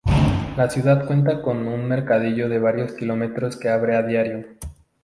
La ciudad cuenta con un mercadillo de varios kilómetros que abre a diario.